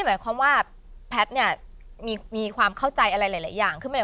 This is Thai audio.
หมายความว่าแพทย์เนี่ยมีความเข้าใจอะไรหลายอย่างขึ้นไป